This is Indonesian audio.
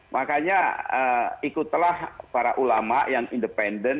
makanya ikutlah para ulama yang independen